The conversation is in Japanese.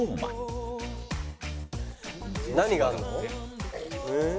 何があるの？